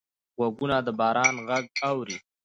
غوږونه د باران غږ اوري